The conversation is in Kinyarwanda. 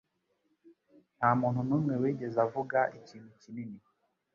Ntamuntu numwe wigeze avuga ikintu kinini.